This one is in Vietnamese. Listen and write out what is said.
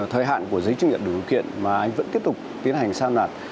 các trạm san nạp của giấy chứng nhận đủ điều kiện mà vẫn tiếp tục tiến hành san nạp